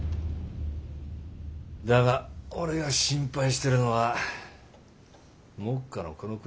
だが俺が心配してるのは目下のこの国の形勢だ。